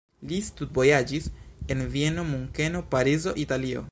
Li studvojaĝis en Vieno, Munkeno, Parizo, Italio.